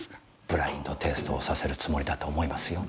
ブラインド・テイストをさせるつもりだと思いますよ。